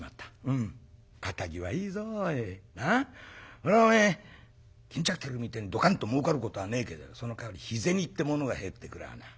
それはおめえ巾着切りみてえにどかんと儲かることはねえけどよそのかわり日銭ってものが入ってくるわな。